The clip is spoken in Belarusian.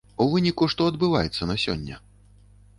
У выніку што адбываецца на сёння?